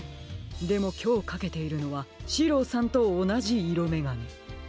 でもきょうかけているのはシローさんとおなじいろめがね。